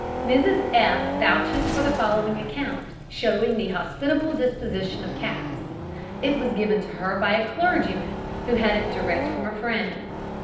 Mrs F vouches for the following account, showing the hospitable disposition of cats. It was given to her by a clergyman, who had it direct from a friend.